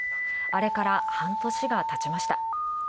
あれから、半年がたちました。